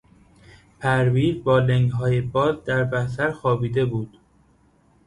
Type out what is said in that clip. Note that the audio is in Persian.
پرویز با لنگهای باز در بستر خوابیده بود.